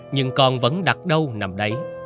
nhưng con vẫn đặt đâu nằm đấy